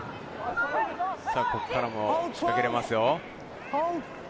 ここからも仕掛けられますよ。